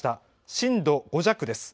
震度５弱です。